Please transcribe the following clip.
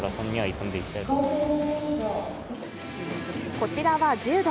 こちらは柔道。